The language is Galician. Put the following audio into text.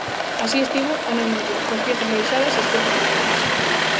Así estivo ano e medio, coas fiestras baixadas e as portas pechadas.